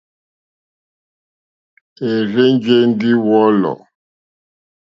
É rzènjé ndí wɔ̌lɔ̀.